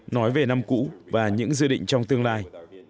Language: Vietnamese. nói về năm cũ và những dự định trong tương lai